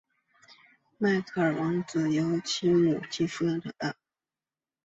迈克尔王子由其母亲抚养长大。